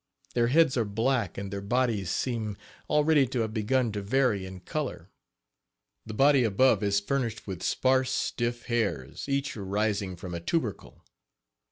Their heads are black and their bodies seem already to have begun to vary in color. The body above is furnished with sparse, stiff hairs, each arising from a tubercle.